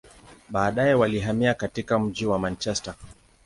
Baadaye, walihamia katika mji wa Manchester.